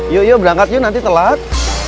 yuk yuk berangkat yuk nanti telat